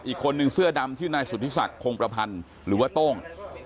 อีกคนนึงเสื้อดำชื่อนายสุธิศักดิ์คงประพันธ์หรือว่าโต้ง